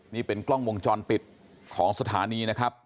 นี่เป็นกล้องวงจรปิดของสถานีนะครับ